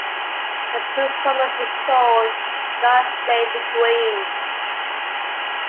The performance was called God Save the Queen!